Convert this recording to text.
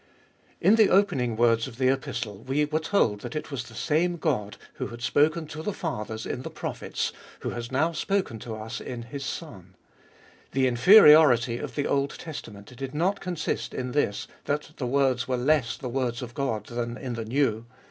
In the opening words of the Epistle we were told that it was the same God, who had spoken to the fathers in the prophets, who has now spoken to us in His Son. The inferiority of the Old Testament did not consist in this that the words were less the words of God than in the New.